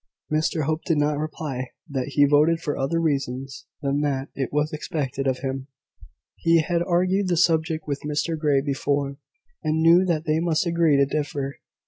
Mr Hope did not reply, that he voted for other reasons than that it was expected of him. He had argued the subject with Mr Grey before, and knew that they must agree to differ.